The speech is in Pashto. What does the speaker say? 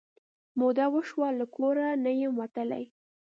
موده وشوه له کور نه یم وتلې